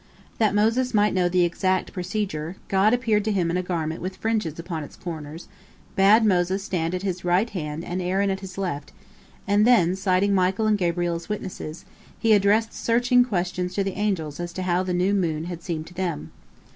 That Moses might know the exact procedure, God appeared to him in a garment with fringes upon its corners, bade Moses stand at His right hand and Aaron at His left, and then, citing Michael and Gabriel as witnesses, He addressed searching questions to the angels as to how the new moon had seemed to them.